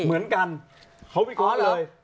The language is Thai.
เหมือนกันขอวิเคราะห์เลย